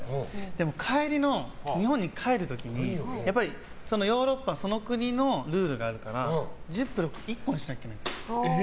でも日本に帰る時にヨーロッパその国のルールがあるからジップロック１個にしなきゃいけないんですよ。